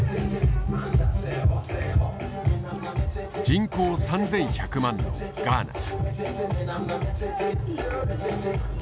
人口３，１００万のガーナ。